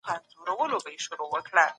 تل د مظلوم ملاتړ وکړئ.